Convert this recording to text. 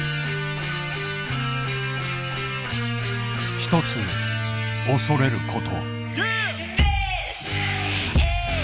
ひとつ、恐れること。